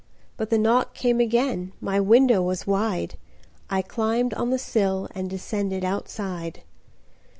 But the knock came againMy window was wide;I climbed on the sillAnd descended outside.